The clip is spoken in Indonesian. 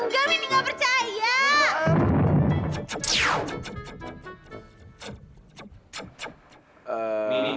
jangan jangan jangan